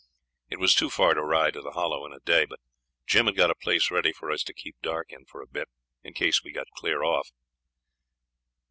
It was too far to ride to the Hollow in a day, but Jim had got a place ready for us to keep dark in for a bit, in case we got clear off.